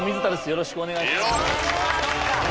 よろしくお願いします。